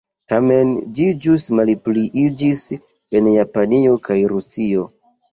Tamen ĝi ĵus malpliiĝis en Japanio kaj Rusio.